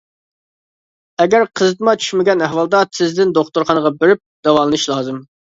ئەگەر قىزىتما چۈشمىگەن ئەھۋالدا تېزدىن دوختۇرخانىغا بېرىپ داۋالىنىش لازىم.